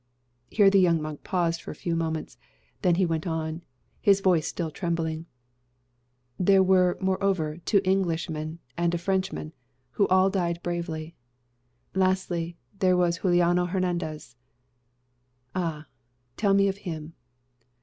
Here the young monk paused for a few moments; then went on, his voice still trembling: "There were, moreover, two Englishmen and a Frenchman, who all died bravely. Lastly, there was Juliano Hernandez." "Ah! tell me of him."